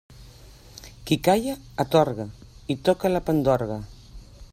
Qui calla atorga i toca la pandorga.